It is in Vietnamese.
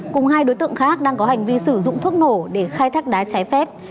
cùng hai đối tượng khác đang có hành vi sử dụng thuốc nổ để khai thác đá trái phép